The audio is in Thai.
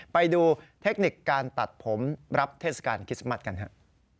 ไปดูเทคนิคการตัดผมรับเทศกาลคริสต์มัสกันครับ